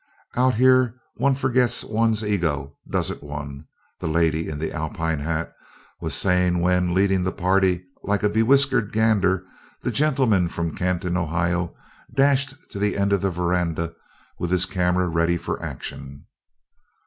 Out here one forgets one's ego, doesn't one?" the lady in the Alpine hat was saying when, leading the party like a bewhiskered gander, the gentleman from Canton, Ohio, dashed to the end of the veranda with his camera ready for action.